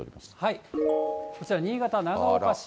こちら新潟・長岡市。